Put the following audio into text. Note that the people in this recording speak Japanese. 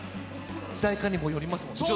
誰かにもよりますもんね。